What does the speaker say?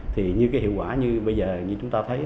thì như hiệu quả như bây giờ chúng ta thấy